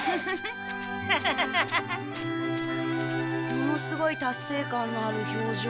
ものすごい達成感のある表情。